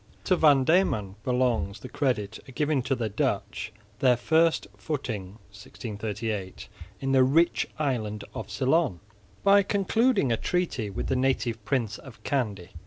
To Van Diemen belongs the credit of giving to the Dutch their first footing (1638) in the rich island of Ceylon, by concluding a treaty with the native prince of Kandy.